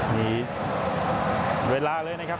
มีเวลาเลยนะครับ